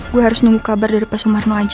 gue harus nunggu kabar dari pak sumarno aja